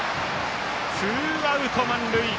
ツーアウト満塁。